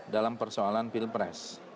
dalam persoalan pilpres